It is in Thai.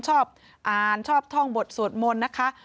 ชอบอ่านชอบท่องบทสวดมนต์นะคะ